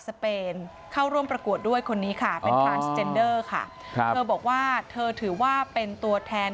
สเปนเข้าร่วมประกวดด้วยคนนี้ค่ะบอกว่าเธอถือว่าเป็นตัวแทน